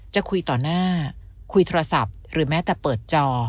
จะคุยต่อหน้าคุยโทรศัพท์หรือแม้แต่เปิดจอ